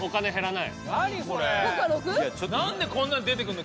なんでこんなの出てくるの？